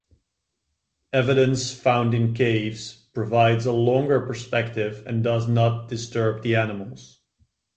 Evidence found in caves provides a longer perspective and does not disturb the animals.